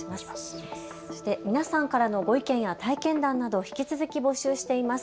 そして皆さんからのご意見や体験談など引き続き募集しています。